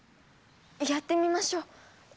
やってみましょう。